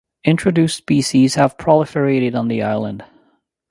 Introduced species have proliferated on the island.